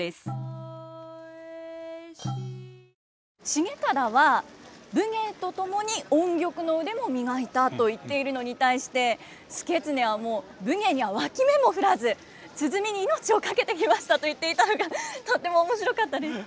重忠は武芸と共に音曲の腕も磨いたと言っているのに対して祐経はもう武芸には脇目も振らず鼓に命を懸けてきましたと言っていたのがとっても面白かったです。